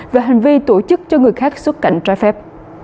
và hành vi tổ chức cho người khác xuất cảnh trai phép